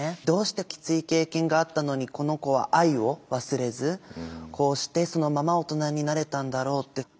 どうしてきつい経験があったのにこの子は愛を忘れずこうしてそのまま大人になれたんだろうって。